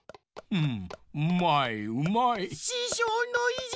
うん？